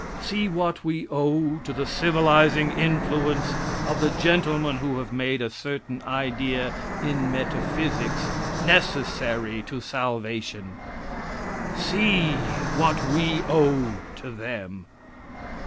See what we owe to the civilizing influence of the gentlemen who have made a certain idea in metaphysics necessary to salvation see what we owe to them.